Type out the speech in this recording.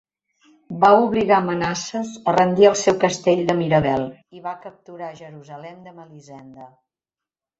Va obligar Manasses a rendir el seu castell de Mirabel, i va capturar Jerusalem de Melisende.